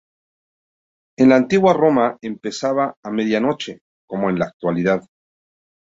En la Antigua Roma, empezaba a medianoche, como en la actualidad.